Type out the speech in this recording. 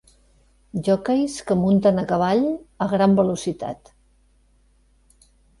joqueis que munten a cavall a gran velocitat.